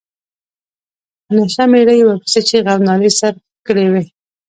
نشه مېړه یې ورپسې چيغې او نارې سر کړې وې.